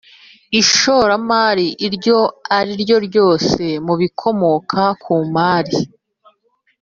Ishoramari iryo ariryo ryose mu bikomoka ku mari